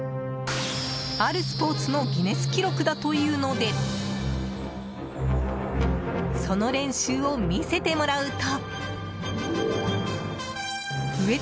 あるスポーツのギネス記録だというのでその練習を見せてもらうと。